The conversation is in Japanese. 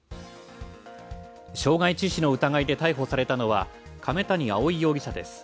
傷害致死の疑いで逮捕されたのは亀谷蒼容疑者です。